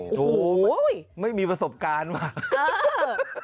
โอ้โหไม่มีประสบการณ์ว่ะ